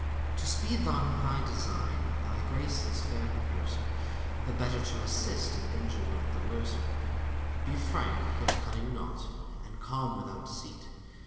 To speed thy high design, thy grace is fair precursor: The Better to assist, and injure not the Worser, — Be frank, yet cunning not, and calm without deceit